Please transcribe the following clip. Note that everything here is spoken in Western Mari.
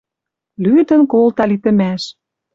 Лӱдӹн колта литӹмӓш